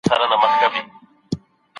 هغه د انار اوبو په څښلو بوخت دی.